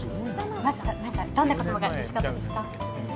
どんな言葉がうれしかったですか。